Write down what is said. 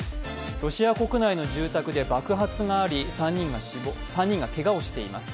ロシア国内の住宅で爆発があり３人がけがをしています